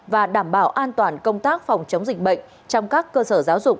và đảm bảo an toàn công tác phòng chống dịch bệnh trong các cơ sở giáo dục